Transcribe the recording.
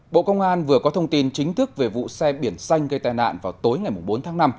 bộ công an vừa có thông tin chính thức về vụ xe biển xanh gây tai nạn vào tối ngày bốn tháng năm